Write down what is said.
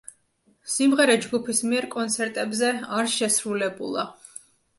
სიმღერა ჯგუფის მიერ კონცერტებზე არ შესრულებულა.